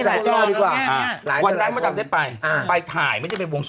บางคนฮูล้อดีกว่ะ